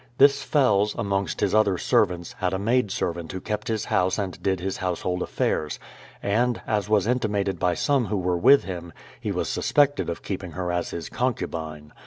This Fells, amongst his other servants, had a maid servant who kept his house and did his household affairs; and, as was intimated by some who were with him, he was suspected of keeping her as his concubine.